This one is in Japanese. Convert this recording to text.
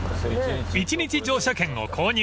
［一日乗車券を購入。